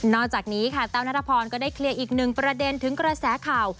จากนี้ค่ะแต้วนัทพรก็ได้เคลียร์อีกหนึ่งประเด็นถึงกระแสข่าว